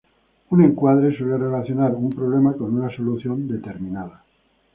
Un encuadre suele relacionar un problema con una solución determinada.